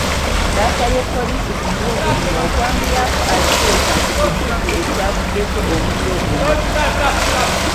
Baasabye poliisi ku mulundi guno okwanguya alipoota ku kituufu ekyavuddeko omuliro guno.